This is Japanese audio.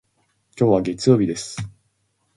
今日は月曜日です。